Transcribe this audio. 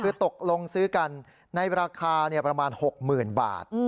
คือตกลงซื้อกันในราคาประมาณ๖๐๐๐บาท